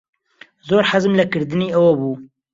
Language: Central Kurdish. زۆر حەزم لە کردنی ئەوە بوو.